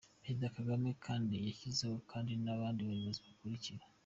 Perezida Kagame kandi yashyizeho kandi n’abandi bayobozi bakurikira :